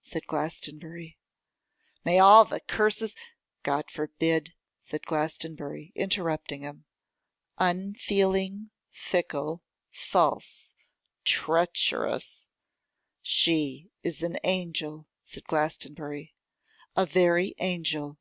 said Glastonbury. 'May all the curses ' 'God forbid,' said Glastonbury, interrupting him. 'Unfeeling, fickle, false, treacherous ' 'She is an angel,' said Glastonbury, 'a very angel.